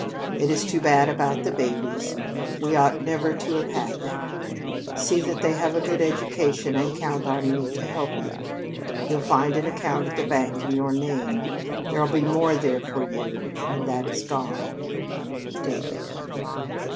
"It is too bad about the babies. We ought never to have had them. See that they have a good education and count on me to help you. You'll find an account at the bank in your name. There'll be more there for you when that is gone. "DAVID."